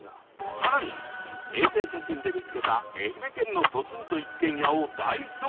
さらに衛星写真で見つけた愛媛県のポツンと一軒家を大捜索！